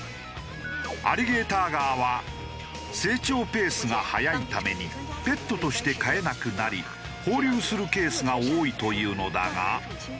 アリゲーターガーは成長ペースが速いためにペットとして飼えなくなり放流するケースが多いというのだが。